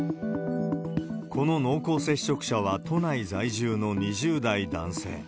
この濃厚接触者は都内在住の２０代男性。